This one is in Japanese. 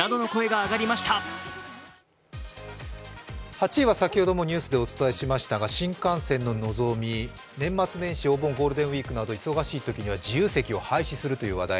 ８位は先ほどもニュースでお伝えしましたが新幹線ののぞみ、年末年始、お盆、ゴールデンウイークなど忙しいときには自由席を廃止するという話題。